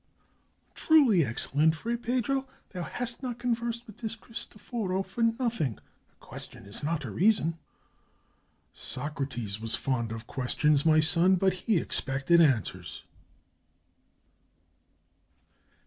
"Truly, excellent Fray Pedro, thou hast not con versed with this Christoforo for nothing! A question is not a reason." "Socrates was fond of questions, my son; but he expected answers."